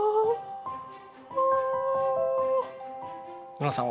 ノラさん